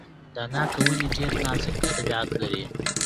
د ناک ونې ډیر نازک طبیعت لري.